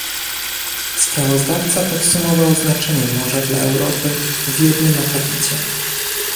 Sprawozdawca podsumował znaczenie morza dla Europy w jednym akapicie